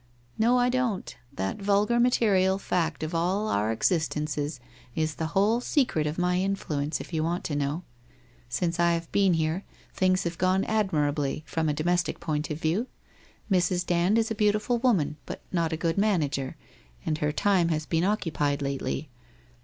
' No, I don't. That vulgar material fact of all our existences is the whole secret of my influence, if you want to know. Since I have been here, things have gone ad mirably, from a domestic point of view. Mrs. Dand is a beautiful woman, but not a good manager, and her time has been occupied lately.